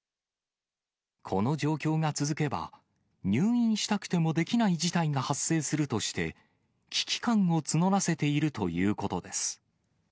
この状況が続けば、入院したくてもできない事態が発生するとして、危機感を募らせているということです。